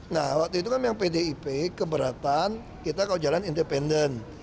nah waktu itu kan yang pdip keberatan kita kalau jalan independen